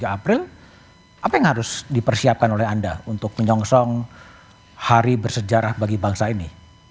dua puluh april apa yang harus dipersiapkan oleh anda untuk menyongsong hari bersejarah bagi bangsa ini